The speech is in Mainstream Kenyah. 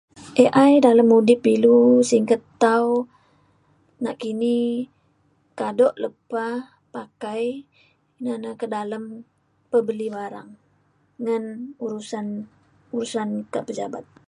AI dalem udip ilu singget tau nakini kado lepa pakai na na kedalem bebeli barang ngan urusan urusan kak pejabat